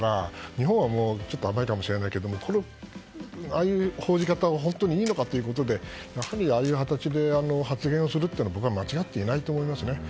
日本は甘いかもしれないけどああいう報じ方は本当にいいのかということでああいう形で発言をするのは間違っていないと思います。